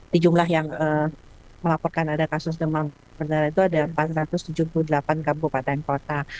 di jumlah yang melaporkan ada kasus demam berdarah itu ada empat ratus tujuh puluh delapan kabupaten kota